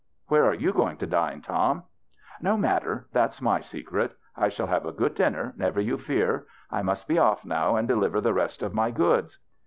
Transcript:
Where are you going to dine, Tom ?" "No matter. That's my secret. I shall have a good dinner, never you fear. I must be off now and deliver the rest of my goods."